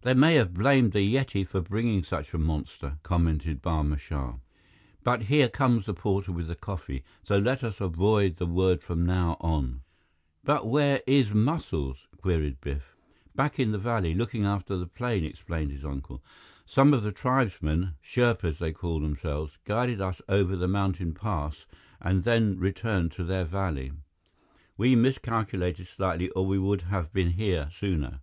"They may have blamed the Yeti for bringing such a monster," commented Barma Shah. "But here comes the porter with the coffee. So let us avoid the word from now on." "But where is Muscles?" queried Biff. "Back in the valley, looking after the plane," explained his uncle. "Some of the tribesmen Sherpas they call themselves guided us over to the mountain pass and then returned to their valley. We miscalculated slightly or we would have been here sooner."